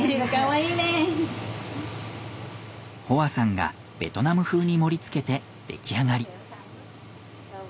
ホアさんがベトナム風に盛りつけて出来上がり。